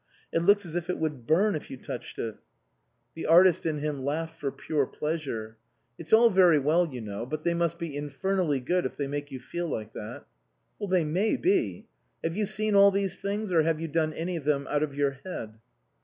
It looks as if it would burn if you touched it." 77 THE COSMOPOLITAN The artist in him laughed for pure pleasure. " It's all very well, you know, but they must be infernally good if they make you feel like that." " They may be. Have you seen all these things, or have you done any of them out of your head